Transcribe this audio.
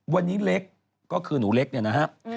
วันนี้เล็กก็คือหนูเล็กเนี่ยนะฮะ